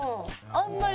あんまり。